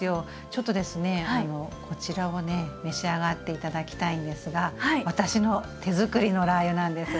ちょっとですねこちらをね召し上がって頂きたいんですが私の手づくりのラー油なんです。